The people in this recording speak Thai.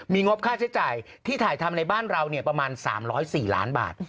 งบค่าใช้จ่ายที่ถ่ายทำในบ้านเราประมาณ๓๐๔ล้านบาท